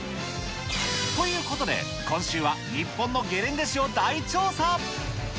ということで、今週は日本のゲレンデ史を大調査。